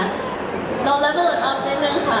เราเลเวอร์อัพนิดหนึ่งค่ะ